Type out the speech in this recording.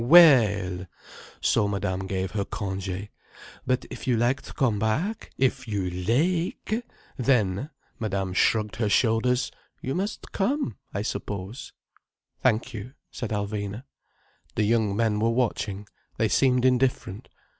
We ell—" So Madame gave her her congé. "But if you like to come back—if you laike—then—" Madame shrugged her shoulders—"you must come, I suppose." "Thank you," said Alvina. The young men were watching. They seemed indifferent.